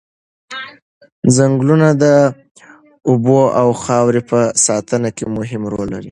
ځنګلونه د اوبو او خاورې په ساتنه کې مهم رول لري.